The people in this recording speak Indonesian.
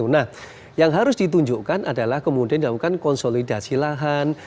nah yang harus ditunjukkan adalah kemudian dilakukan konsolidasi lahan